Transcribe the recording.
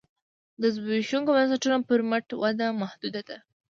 د زبېښونکو بنسټونو پر مټ وده محدوده ده